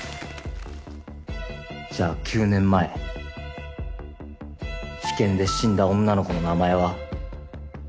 じゃあ９年前治験で死んだ女の子の名前は？